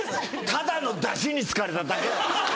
ただのダシに使われただけ。